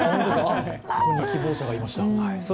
ここに希望者がいました。